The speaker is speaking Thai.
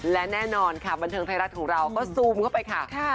และแน่นอนค่ะบันเทิงไทยรัฐของเราก็ซูมเข้าไปค่ะ